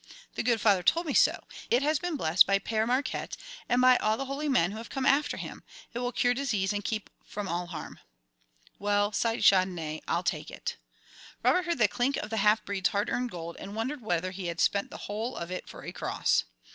"The good Father told me so. It has been blessed by Père Marquette and by all the holy men who have come after him. It will cure disease and keep from all harm." "Well," sighed Chandonnais, "I'll take it." Robert heard the clink of the half breed's hard earned gold, and wondered whether he had spent the whole of it for a cross.